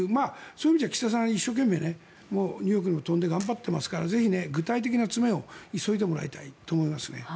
そういう意味じゃ岸田さんは一生懸命ニューヨークにも飛んで頑張ってますからぜひ、具体的な詰めを急いでもらいたいと思いますね。